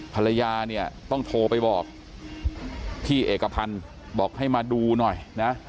ภรรยาเนี่ยต้องโทรไปบอกพี่เอกพันธ์บอกให้มาดูหน่อยนะ